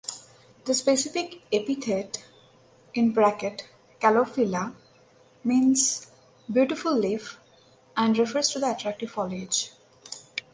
The specific epithet ("calophylla") means "beautiful leaf" and refers to the attractive foliage.